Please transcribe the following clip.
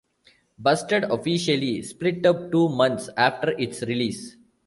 Busted officially split up two months after its release.